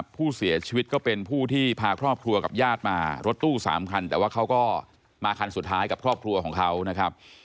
ผู้เสียชีวิตก็เป็นผู้ที่พาครอบครัวกับญาติมารถตู้๓คันแต่ว่าเขาก็มาคันสุดท้ายกับครอบครัวของเขานะครับ